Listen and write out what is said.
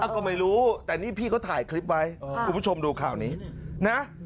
ก็ไม่รู้แต่นี่พี่เขาถ่ายคลิปไว้คุณผู้ชมดูข่าวนี้นะ